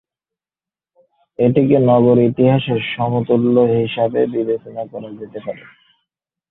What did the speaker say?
এটিকে নগর ইতিহাসের সমতুল্য হিসাবে বিবেচনা করা যেতে পারে।